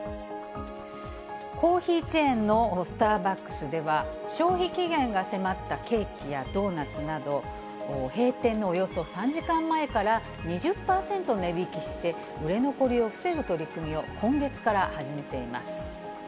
コーヒーチェーンのスターバックスでは、消費期限が迫ったケーキやドーナツなど、閉店のおよそ３時間前から、２０％値引きして、売れ残りを防ぐ取り組みを今月から始めています。